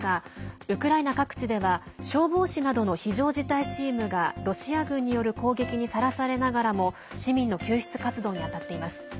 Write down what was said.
ウクライナ各地では消防士などの非常事態チームがロシア軍による攻撃にさらされながらも市民の救出活動に当たっています。